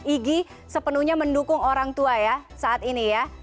igi sepenuhnya mendukung orang tua ya saat ini ya